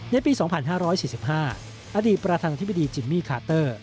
ในปี๒๕๔๕อดีตประธานาธิบดีจิมมี่คาเตอร์